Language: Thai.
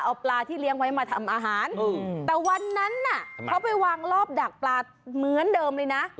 เอาปลาที่เลี้ยงไว้มาทำอาหารแต่วันนั้นน่ะเขาไปวางรอบดักปลาเหมือนเดิมเลยนะ